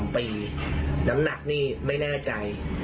๓ปีน้ำหนักนี่ไม่แน่ใจ